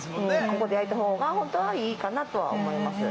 ここで焼いた方が本当はいいかなとは思います。